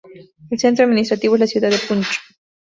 El centro administrativo es la ciudad de Punch.